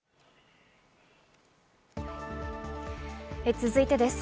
続いてです。